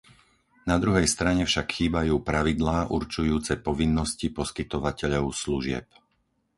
Na druhej strane však chýbajú pravidlá určujúce povinnosti poskytovateľov služieb.